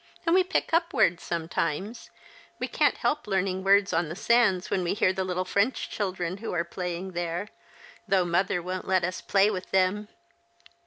And we pick up words sometimes. We can't help learning words on the sands when we hear the little French children who are playing there, though mother won't let us play with them.